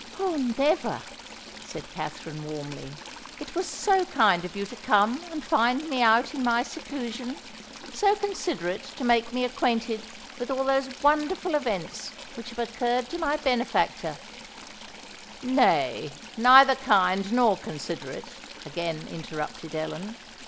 "Oh! never," said Katherine warmly. "It was so kind of you to come and find me out in my seclusion—so considerate to make me acquainted with all those wonderful events which have occurred to my benefactor——" "Nay—neither kind nor considerate," again interrupted Ellen.